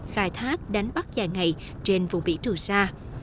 khai thác đánh bắt dài ngày trên vùng vĩ trường xa